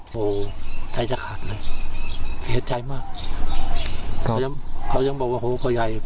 โหไทยจะขาดเลยเดี๋ยวใจมากเขายังเขายังบอกว่าโฮพ่อใหญ่